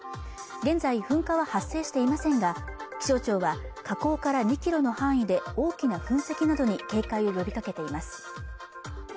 現在噴火は発生していませんが気象庁は火口から２キロの範囲で大きな噴石などに警戒を呼びかけています